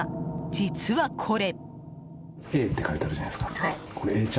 実はこれ。